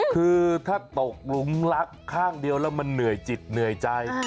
คือถ้าตกหลุมรักข้างเดียวแล้วมันเหนื่อยจิตเหนื่อยใจ